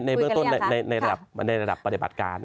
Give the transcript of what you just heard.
ในเบื้องต้นในระดับปฏิบัติการ